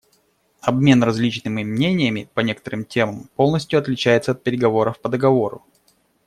Обмен различными мнениями по некоторым темам полностью отличается от переговоров по договору.